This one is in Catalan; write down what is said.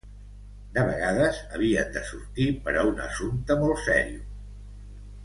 De vegades havien de sortir pera un assumpte molt serio